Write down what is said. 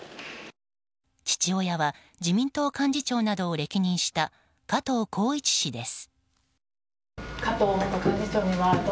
父親は自民党幹事長などを歴任した加藤紘一氏です。